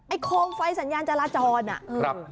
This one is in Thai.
ไอ้โคมไฟสัญญาณจราจร